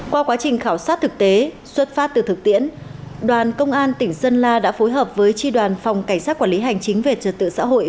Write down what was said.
qua quá trình khảo sát thực tế xuất phát từ thực tiễn đoàn công an tỉnh sơn la đã phối hợp với tri đoàn phòng cảnh sát quản lý hành chính về trật tự xã hội